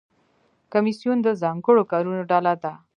کمیسیون د ځانګړو کارونو ډله ده